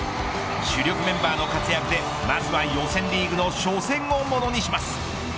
主力メンバーの活躍でまずは予選リーグの初戦をものにします。